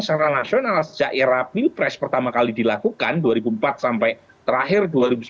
secara nasional sejak era pilpres pertama kali dilakukan dua ribu empat sampai terakhir dua ribu sembilan belas